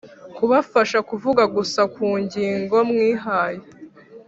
Kubafasha kuvuga gusa ku ngingo mwihaye